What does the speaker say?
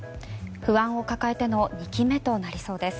不安を抱えての２期目となりそうです。